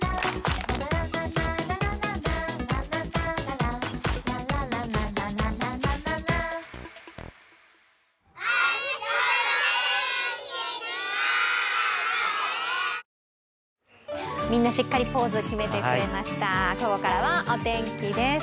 ここからはお天気です。